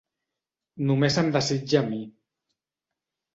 Només em desitja a mi...